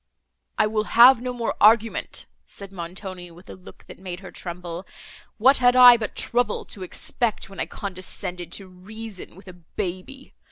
"I will have no more argument," said Montoni, with a look that made her tremble. "What had I but trouble to expect, when I condescended to reason with a baby!